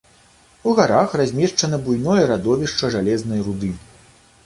У гарах размешчана буйное радовішча жалезнай руды.